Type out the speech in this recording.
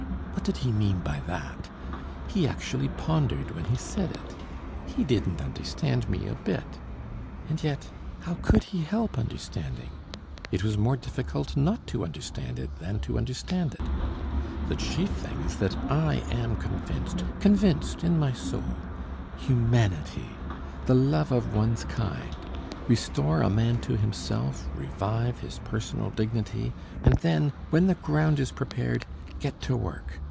What did he mean by that? He actually pondered when he said it. He didn't understand me a bit. And yet how could he help understanding? It was more difficult not to understand it than to understand it. The chief thing is that I am convinced, convinced in my soul. Humanity ... the love of one's kind. Restore a man to himself, revive his personal dignity, and then ... when the ground is prepared, get to work.